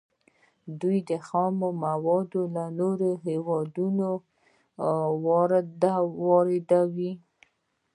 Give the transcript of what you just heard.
دوی خام مواد له نورو هیوادونو واردوي.